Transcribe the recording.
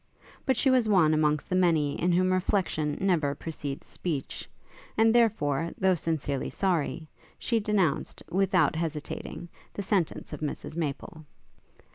But she was one amongst the many in whom reflection never precedes speech, and therefore, though sincerely sorry, she denounced, without hesitating, the sentence of Mrs Maple.